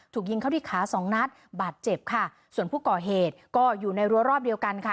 ถูกยิงเข้าที่ขาสองนัดบาดเจ็บค่ะส่วนผู้ก่อเหตุก็อยู่ในรัวรอบเดียวกันค่ะ